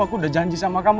aku udah janji sama kamu